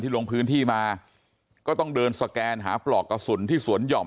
ลงพื้นที่มาก็ต้องเดินสแกนหาปลอกกระสุนที่สวนห่อม